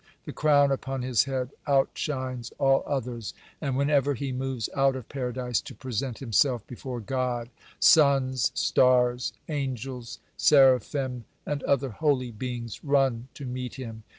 The crown upon his head outshines all others, and whenever he moves out of Paradise to present himself before God, suns, stars, angels, seraphim, and other holy beings run to meet him.